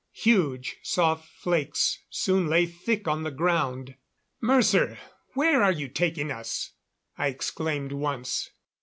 Huge, soft flakes soon lay thick on the ground. "Mercer, where are you taking us?" I exclaimed once.